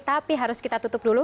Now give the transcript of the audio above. tapi harus kita tutup dulu